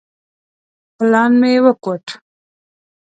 پلان مې وکوت.